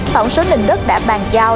tổng số nền đất đã bàn giao